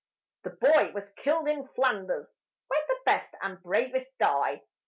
The boy was killed in Flanders, where the best and bravest die.